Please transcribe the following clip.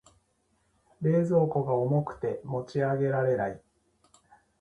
冷蔵庫が重くて持ち上げられない。